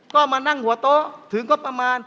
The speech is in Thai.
ก็มานั่งหัวโต๊ะถึงก็ประมาณ